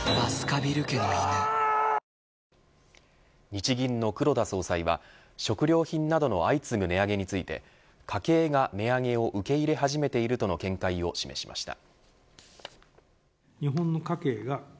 日銀の黒田総裁は食料品などの相次ぐ値上げについて家計が値上げを受け入れ始めているとの見解を示しました。